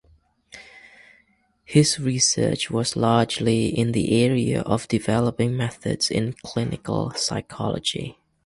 His research was largely in the area of developing methods in clinical psychology.